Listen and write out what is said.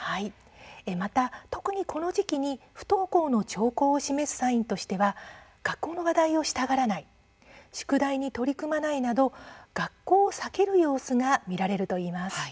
また、齋藤さんは特に、この時期に不登校の兆候を示すサインとしては学校の話題をしたがらない宿題に取り組まないなど学校を避ける様子が見られるといいます。